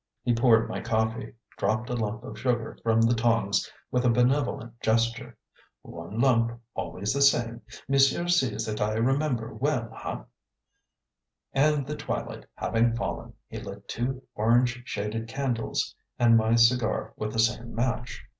He poured my coffee; dropped a lump of sugar from the tongs with a benevolent gesture "One lump: always the same. Monsieur sees that I remember well, ha?" and the twilight having fallen, he lit two orange shaded candles and my cigar with the same match.